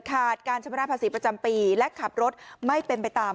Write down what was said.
ขาดการชำระภาษีประจำปีและขับรถไม่เป็นไปตาม